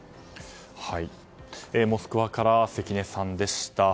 モスクワから関根さんでした。